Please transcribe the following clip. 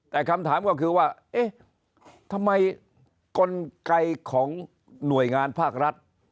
แต่คำถามก็คือว่าเอ๊ะทำไมกลไกของหน่วยงานภาครัฐ